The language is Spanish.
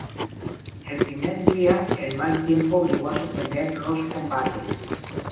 El primer día el mal tiempo obligó a suspender los combates.